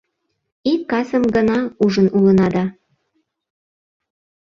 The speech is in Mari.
Ик касым гына ужын улына да...